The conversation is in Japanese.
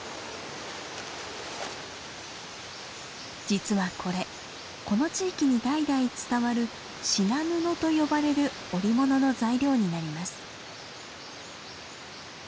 実はこれこの地域に代々伝わる「しな布」と呼ばれる織物の材料になります。